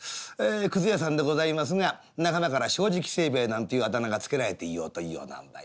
くず屋さんでございますが仲間から正直清兵衛なんていうあだ名が付けられていようというようなあんばい。